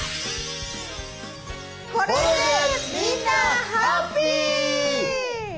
これでみんなハッピー。